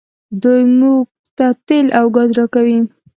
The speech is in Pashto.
دوی موږ ته تیل او ګاز راکوي.